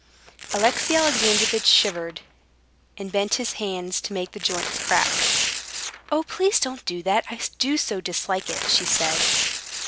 Alexey Alexandrovitch shivered, and bent his hands to make the joints crack. "Oh, please, don't do that, I do so dislike it," she said.